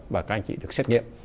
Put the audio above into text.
và các anh chị được xét nghiệm